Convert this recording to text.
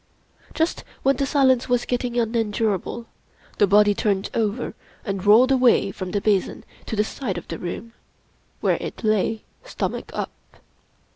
Just when the silence was getting unendurable, the body turned over and rolled away from the basin to the side of the room, where it lay stomach up.